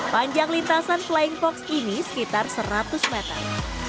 panjang lintasan flying fox ini sekitar seratus meter